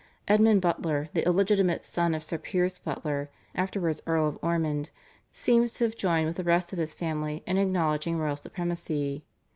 Edmund Butler, the illegitimate son of Sir Piers Butler, afterwards Earl of Ormond, seems to have joined with the rest of his family in acknowledging royal supremacy.